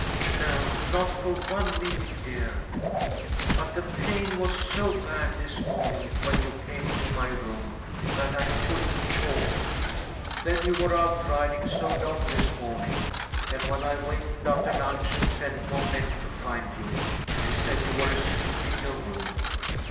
"No, not for one minute, dear. But the pain was so bad this morning, when you came to my room, that I couldn't talk. Then you were out riding so long this morning, and when I wakened after lunch and sent Mom Beck to find you, she said you were asleep in your room.